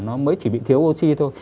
nó mới chỉ bị thiếu oxy thôi